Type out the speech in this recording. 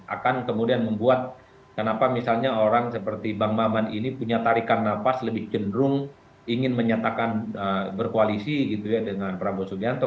akan kemudian membuat kenapa misalnya orang seperti bang maman ini punya tarikan nafas lebih cenderung ingin menyatakan berkoalisi gitu ya dengan prabowo subianto